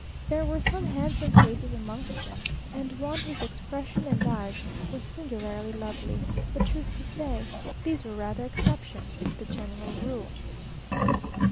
There were some handsome faces amongst them, and one whose expression and eyes were singularly lovely, but truth to say, these were rather exceptions to the general rule.